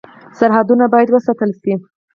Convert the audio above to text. سرحدونه باید وساتل شي